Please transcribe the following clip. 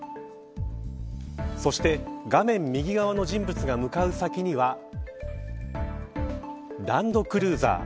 そして、画面右側の人物が向かう先にはランドクルーザー。